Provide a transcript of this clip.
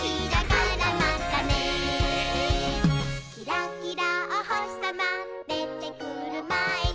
「キラキラおほしさまでてくるまえに」